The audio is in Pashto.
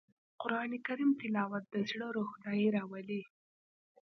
قرآن کریم تلاوت د زړه روښنايي راولي